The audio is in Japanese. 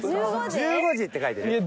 「１５時」って書いてる。